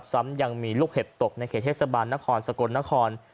ซ้ำยังมีลูกเห็บตกในเขตเทศบาลนครสกลนคร